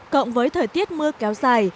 cộng với thời tiết mưa kéo dài